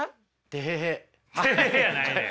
てへへやないねん。